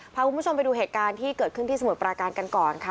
พาคุณผู้ชมไปดูเหตุการณ์ที่เกิดขึ้นที่สมุทรปราการกันก่อนค่ะ